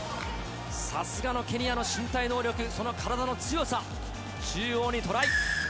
さすがのケニアの身体能力、その体の強さ、中央にトライ。